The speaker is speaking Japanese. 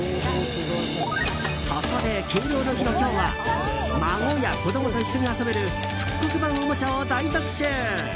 そこで敬老の日の今日は孫や子供と一緒に遊べる復刻版おもちゃを大特集。